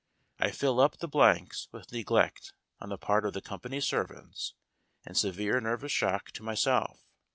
I fill up the blanks with neglect on the part of the company's serv ants and severe nervous shock to myself.